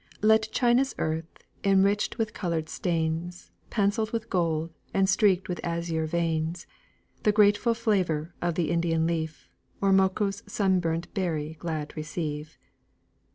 "Let China's earth, enriched with coloured stains, Pencil'd with gold, and streaked with azure veins, The grateful flavour of the Indian leaf, Or Mocha's sunburnt berry glad receive."